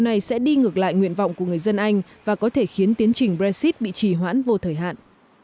này sẽ đi ngược lại nguyện vọng của người dân anh và có thể khiến tiến trình brexit bị trì hoãn vô thời hạn